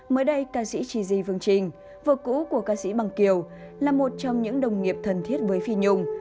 mới đây ca sĩ chi di phương trình vợ cũ của ca sĩ bằng kiều là một trong những đồng nghiệp thần thiết với phi nhung